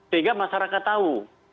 sehingga masyarakat tahu